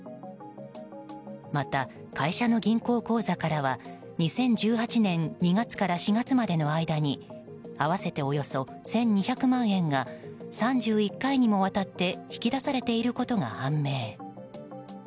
また、会社の銀行口座からは２０１８年２月から４月までの間に合わせておよそ１２００万円が３１回にもわたって引き出されていることが判明。